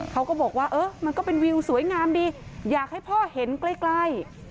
เขาก็บอกว่าเออมันก็เป็นวิวสวยงามดีอยากให้พ่อเห็นใกล้